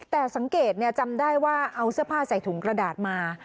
แต่สังเกตจำได้ว่าเอาเสื้อผ้าใส่ถุงกระดาษมา